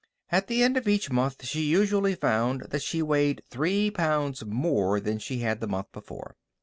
At the end of each month she usually found that she weighed three pounds more than she had the month before.